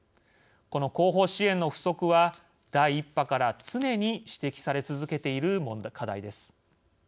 この後方支援の不足は第１波から常に指摘され続けている課題です。